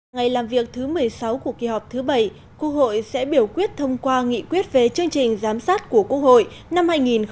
ngày làm việc thứ một mươi sáu của kỳ họp thứ bảy quốc hội sẽ biểu quyết thông qua nghị quyết về chương trình giám sát của quốc hội năm hai nghìn hai mươi